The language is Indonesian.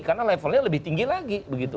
karena levelnya lebih tinggi lagi begitu